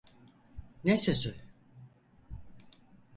Ne sözü?